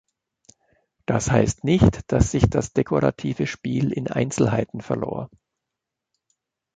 Das heißt nicht, dass sich das dekorative Spiel in Einzelheiten verlor.